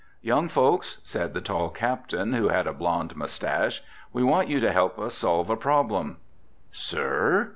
"Young folks," said the tall captain, who had a blond mustache, "we want you to help us solve a problem." "Sir?"